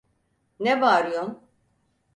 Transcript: Ne bağırıyon?